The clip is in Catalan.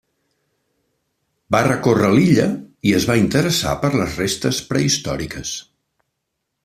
Va recórrer l'illa i es va interessar per les restes prehistòriques.